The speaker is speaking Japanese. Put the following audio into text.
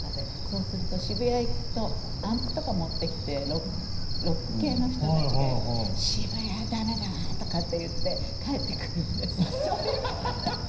そうすると渋谷行くとアンプとか持ってきてロック系の人たちがいるから「渋谷は駄目だわ」とかって言って帰ってくるんです。